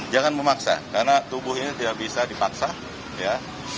jangan memaksa karena tubuh ini tidak bisa dipaksa ya